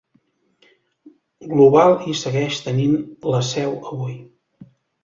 Global hi segueix tenint la seu avui.